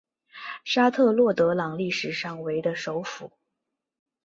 沙泰洛德朗历史上为的首府。